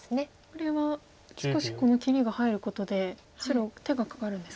これは少しこの切りが入ることで白手がかかるんですか。